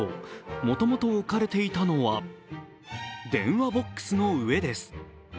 もともと置かれていたのは、電話ボックスの上です。